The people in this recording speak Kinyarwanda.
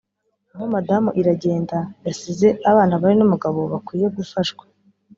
abo madamu Iragenda yasize (abana bane n’umugabo) bakwiye gufashwa